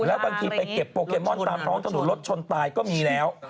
แล้วบางทีไปเก็บโปเกมอนตามท้องถนนรถชนตายก็มีแล้ว